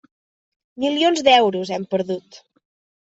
Milions d'euros, hem perdut.